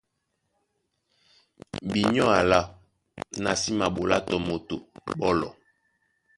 Binyɔ́ alâ, na sí maɓolá tɔ moto ɓɔ́lɔ.